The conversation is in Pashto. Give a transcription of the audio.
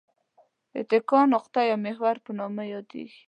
د اتکا نقطه یا محور په نامه یادیږي.